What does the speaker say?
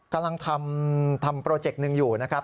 กำลังทำโปรเจกต์หนึ่งอยู่นะครับ